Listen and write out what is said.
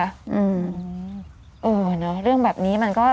เออเนอะเรื่องแบบนี้มันก็